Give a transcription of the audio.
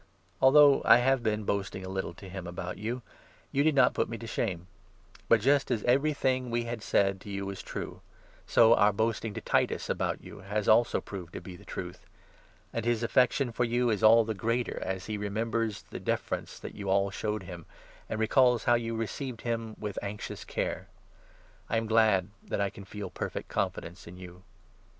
Although I have been 14 boasting a little to him about you, you did not put me to shame ; but, just as every thing we had said to you was true, so our boasting to Titus about you has also proved to be the truth. And his affection for you is all the greater, as he 15 remembers the deference that you all showed him, and recalls how you received him with anxious care. I am glad 16 that I can feel perfect confidence in you.